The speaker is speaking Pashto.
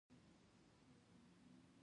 بېنډۍ له غوښې سره هم پخېږي